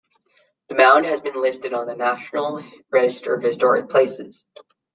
The Mound has been listed on the National Register of Historic Places.